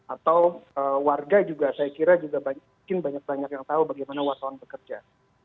atau warga juga saya kira juga mungkin banyak banyak yang tahu bagaimana wartawan bekerja